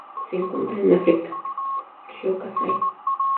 Se encuentran en África: río Kasai.